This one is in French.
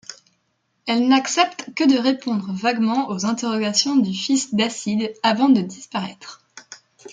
Elle n'accepte que de répondre vaguement aux interrogations du fils d'Acide avant de disparaître.